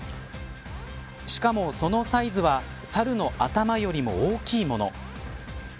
しかも、そのサイズはサルの頭よりも大きいもの。